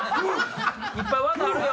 いっぱい技あるよ。